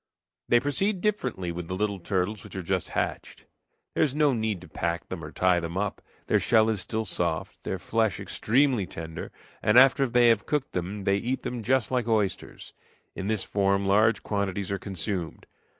They proceed differently with the little turtles which are just hatched. There is no need to pack them or tie them up. Their shell is still soft, their flesh extremely tender, and after they have cooked them they eat them just like oysters. In this form large quantities are consumed.